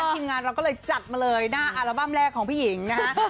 ทีมงานเราก็เลยจัดมาเลยหน้าอัลบั้มแรกของพี่หญิงนะฮะ